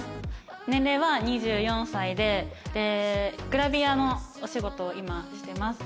年齢は２４歳でグラビアのお仕事を今してます。